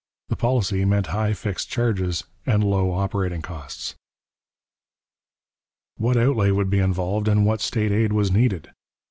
The policy meant high fixed charges and low operating costs. What outlay would be involved and what state aid was needed?